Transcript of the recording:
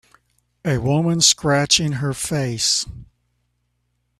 A woman scratching her face.